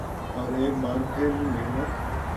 اورایک بار پھر محنت